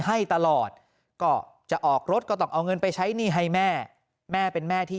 ให้ตลอดก็จะออกรถก็ต้องเอาเงินไปใช้หนี้ให้แม่แม่เป็นแม่ที่